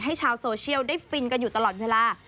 ชาวโซเชียลได้ฟินกันอยู่ตลอดเวลา